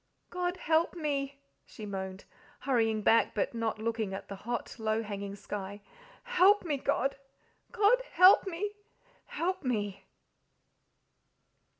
"God help me!" she moaned, hurrying back, but not looking at the hot, low hanging sky. "Help me, God! God, help me, help me!"